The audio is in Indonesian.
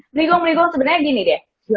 berligong bligong sebenarnya gini deh